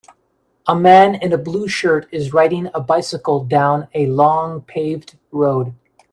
A man in a blue shirt is riding a bicycle down a long paved road.